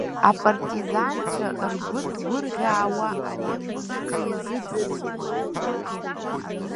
Апартизанцәа, ргәы ҭгәырӷьаауа, ари амузыка иазыӡырҩуан.